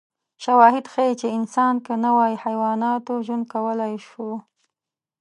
شواهد ښيي چې انسان که نه وای، حیواناتو ژوند کولای شوی.